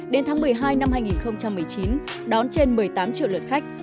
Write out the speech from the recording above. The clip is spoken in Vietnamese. đến tháng một mươi hai năm hai nghìn một mươi chín đón trên một mươi tám triệu lượt khách